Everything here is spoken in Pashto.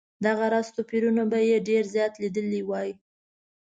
دغه راز توپیرونه به یې ډېر زیات لیدلي وای.